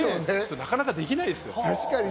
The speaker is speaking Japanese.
なかなかできないですよ。